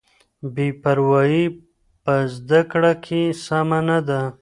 بې پروایي په زده کړه کې سمه نه ده.